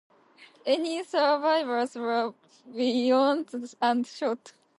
Any survivors were bayoneted and shot.